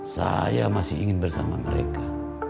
saya masih ingin bersama mereka